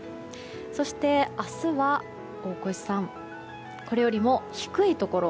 そして明日は大越さん、これよりも低いところ